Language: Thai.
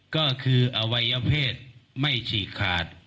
ก็คืออวัยเผ็ดไม่ฉี่ขาด